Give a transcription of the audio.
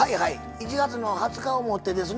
１月の２０日をもってですね